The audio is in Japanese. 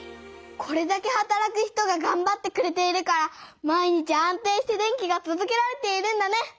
これだけはたらく人ががんばってくれているから毎日安定して電気がとどけられているんだね。